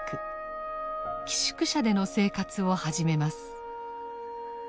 寄宿舎での生活を始めます。